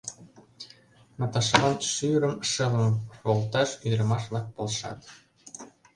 Наташалан шӱрым, шылым волташ ӱдырамаш-влак полшат.